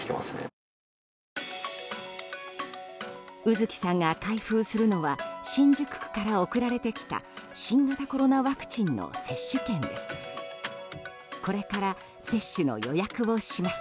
卯月さんが開封するのは新宿区から送られてきた新型コロナワクチンの接種券です。